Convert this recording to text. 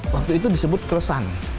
waktu itu disebut kelesan